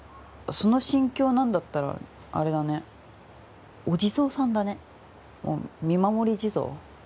その心境なんだったらあれだねお地蔵さんだねもう見守り地蔵？